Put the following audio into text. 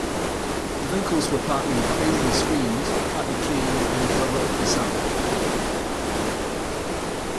The vocals were partly "crazily screamed", partly clean and "heroically sung".